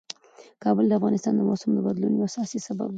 کابل د افغانستان د موسم د بدلون یو اساسي سبب دی.